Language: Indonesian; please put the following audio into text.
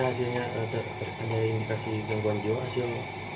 jadi seandainya hasilnya terkendali indikasi gangguan jiwa hasil